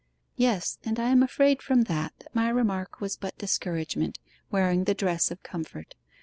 'Yes; and I am afraid from that, that my remark was but discouragement, wearing the dress of comfort.